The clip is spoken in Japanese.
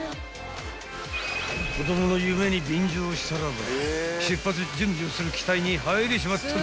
［子供の夢に便乗したらば出発準備をする機体に入れちまったぜ］